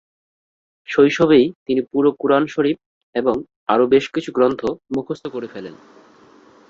শৈশবেই তিনি পুরো কুরআন শরীফ এবং আরো বেশকিছু গ্রন্থ মুখস্থ করে ফেলেন।